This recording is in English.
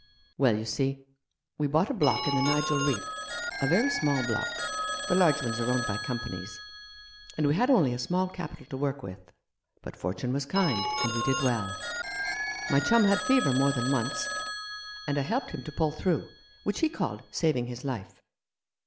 " Well, you see, we bought a block in the Nigel Reef — a very small block, the large ones are owned by companies — and we had only a small capital to work with ; but Fortune was kind, and we did well. My chum had fever more than once, and I helped him to pull through, which he called saving his life.